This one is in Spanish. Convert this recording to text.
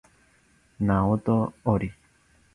Naoto Hori